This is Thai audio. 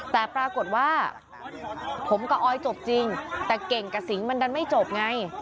แต่ปรากฏว่าผมกับออยจบจริงแต่เก่งกับสิงมันดันไม่จบไง